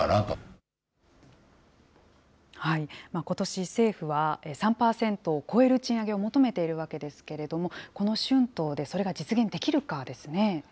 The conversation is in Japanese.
ことし政府は、３％を超える賃上げを求めているわけですけれども、この春闘でそれが実現できるかですね。